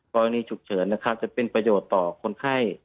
กรณีฉุกเฉินนะครับจะเป็นประโยชน์ต่อคนไข้